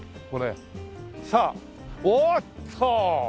さあおおっと！